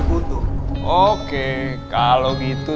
oke kalau begitu sekarang kita